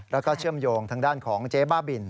แล้วก็เชื่อมโยงทางด้านของเจ๊บ้าบิน